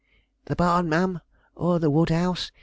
"The barn, ma'am, or the wood house.